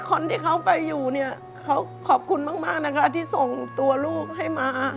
คนที่เขาไปอยู่เนี่ยเขาขอบคุณมากนะคะที่ส่งตัวลูกให้มา